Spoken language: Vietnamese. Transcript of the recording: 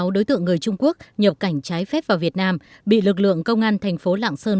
sáu đối tượng người trung quốc nhập cảnh trái phép vào việt nam bị lực lượng công an thành phố lạng sơn